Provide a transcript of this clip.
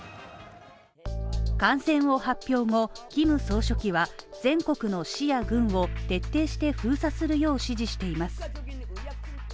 感染を発表後、キム総書記は、全国の市や郡を徹底して封鎖するよう指示しています。